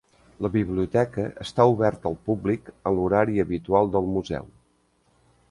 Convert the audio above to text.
La biblioteca està oberta al públic en l'horari habitual del museu.